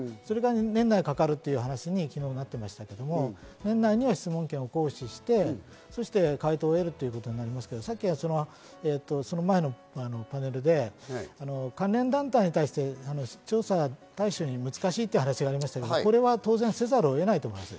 年内まではかかるという話になっていましたけれども年内には質問権を行使して、回答を得るということになりますが、さっきはその前のパネルで関連団体に対して調査対象には難しいという話がありましたが当然、せざるを得ないと思います。